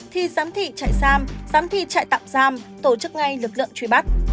thì giám thị trại giam giám thị trại tạm giam tổ chức ngay lực lượng trùy bắt